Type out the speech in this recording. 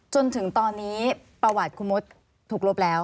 จนถึงตอนนี้ประวัติคุณมดถูกลบแล้ว